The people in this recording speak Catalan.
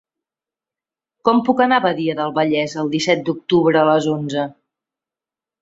Com puc anar a Badia del Vallès el disset d'octubre a les onze?